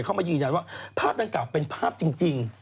เข้ามายืนยันว่าภาพดังกล่าวเป็นภาพจริง